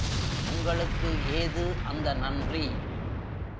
உங்களுக்கு ஏது அந்த நன்றி?